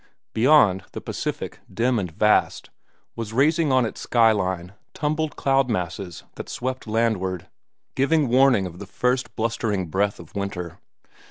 Beyond, the Pacific, dim and vast, was raising on its sky line tumbled cloud masses that swept landward, giving warning of the first blustering breath of winter.